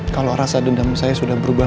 kalau rasa dendam saya sudah berubah